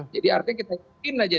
jadi artinya kita cekin aja